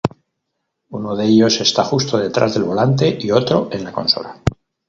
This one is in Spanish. Uno de ellos está justo detrás del volante y otro en la consola.